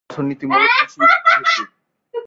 এখানকার অর্থনীতি মূলত কৃষিভিত্তিক।